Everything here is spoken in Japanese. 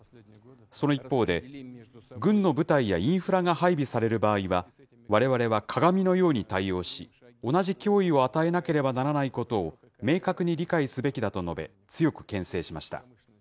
その一方で、軍の部隊やインフラが配備される場合は、われわれは鏡のように対応し、同じ脅威を与えなければならないことを明確に理解すべきだと述べ、強くけん制しました。